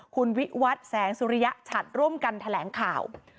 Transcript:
คุณวิวัฒน์แสงสุริยะฉัดร่วมกันแถลงข่าว